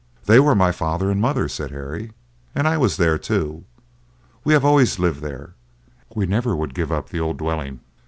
"They were my father and mother," said Harry; "and I was there too; we have always lived there—we never would give up the old dwelling."